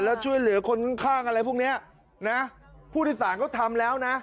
แล้วช่วยเหลือคนข้างอะไรพวกเนี้ยนะผู้โดยสารก็ทำแล้วนะ